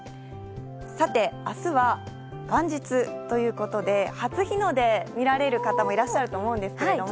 さて、あすは元日ということで、初日の出見られる方もいらっしゃると思うんですけれども。